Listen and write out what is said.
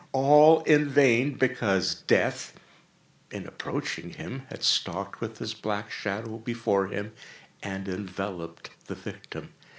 All in vain; because Death, in approaching him had stalked with his black shadow before him, and enveloped the victim.